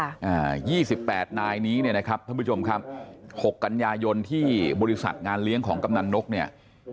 อ่ายี่สิบแปดนายนี้เนี่ยนะครับท่านผู้ชมครับหกกันยายนที่บริษัทงานเลี้ยงของกำนันนกเนี่ย